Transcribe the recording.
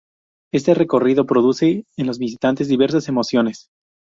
Este recorrido produce en los visitantes diversas emociones.